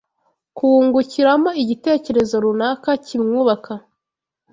kuwungukiramo igitekerezo runaka kimwubaka